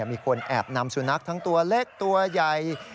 มีคนแอบนำสุนัขทั้งตัวเล็กตัวใหญ่